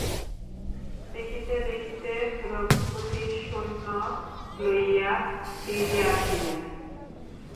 দেখিতে দেখিতে রঘুপতি সৈন্য লইয়া ফিরিয়া আসিলেন।